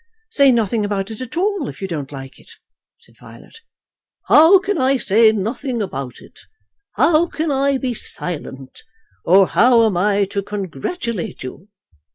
"Say nothing about it at all, if you don't like it," said Violet. "How can I say nothing about it? How can I be silent? Or how am I to congratulate you?"